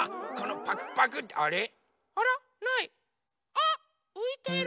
あっういてる！